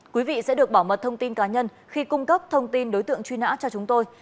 quý vị sẽ được bảo mật thông tin cá nhân khi cung cấp thông tin đối tượng truy nã cho chúng tôi